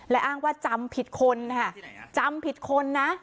และอ้างว่าจำผิดคนค่ะจำผิดคนนะ